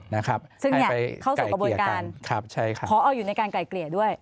นะครับให้ไปไก่เกลี่ยกันใช่ค่ะพออยู่ในการไก่เกลี่ยด้วย